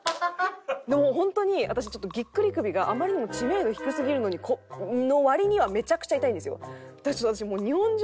もう本当に私ちょっとぎっくり首があまりにも知名度低すぎる割にはめちゃくちゃ痛いんですよ。